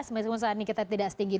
masa usaha ini kita tidak setinggi